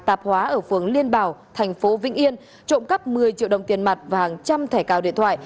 tạp hóa ở phường liên bảo thành phố vĩnh yên trộm cắp một mươi triệu đồng tiền mặt và hàng trăm thẻ cào điện thoại